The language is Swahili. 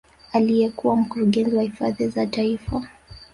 Aliyekuwa mkurugenzi wa hifadhi za taifa